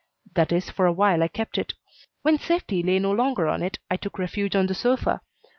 That is for a while I kept it. When safety lay no longer on it I took refuge on the sofa.